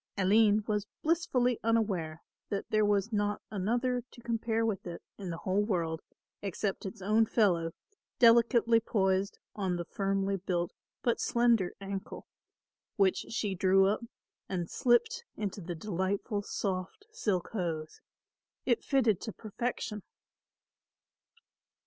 Aline was blissfully unaware that there was not another to compare with it in the whole world except its own fellow delicately poised on the firmly built but slender ankle, which she drew up and slipped into the delightful soft silk hose. It fitted to perfection.